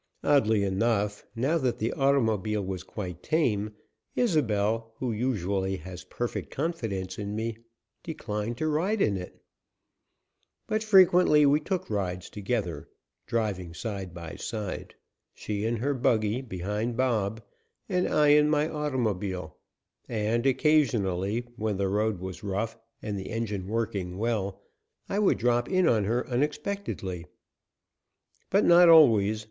Oddly enough, now that the automobile was quite tame, Isobel, who usually has perfect confidence in me, declined to ride in it. But frequently we took rides together, driving side by side, she in her buggy behind Bob, and I in my automobile, and, occasionally, when the road was rough and the engine working well, I would drop in on her unexpectedly. But not always.